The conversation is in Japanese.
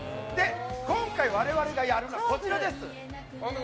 今回我々がやるのはこちら。